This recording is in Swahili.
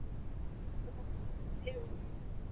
Mbona hamnielewi?